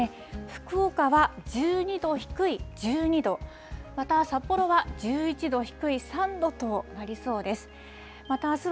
福岡は１２度低い１２度、また札幌は１１度低い３度となりそうです。